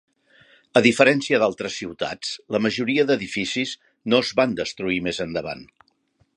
A diferència d'altres ciutats, la majoria d'edificis no es van destruir més endavant.